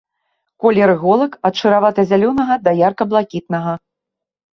Колер іголак ад шаравата-зялёнага да ярка блакітнага.